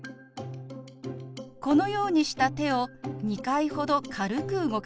このようにした手を２回ほど軽く動かします。